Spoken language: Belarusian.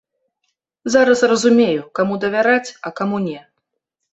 Зараз разумею, каму давяраць, а каму не.